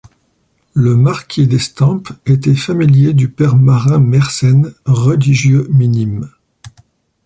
Le marquis d'Estampes était familier du Père Marin Mersenne, religieux minime.